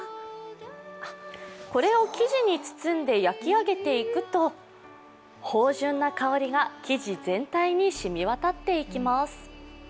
これを生地に包んで焼き上げていくと、芳じゅんな香りが生地全体に染みわたっていきます。